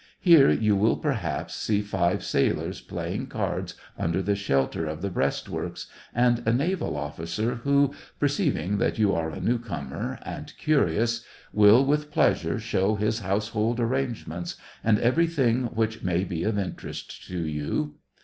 Here you will perhaps see five sailors playing cards under the shelter of the SEVASTOPOL IN DECEMBER. 2/ breastworks, and a naval officer who, perceiving that you are a new comer, and curious, will with pleasure show his household arrangements, and everything which may be of interest to you.